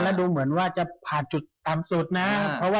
กลมทานคงจะผ่านจุดตามสุดนะ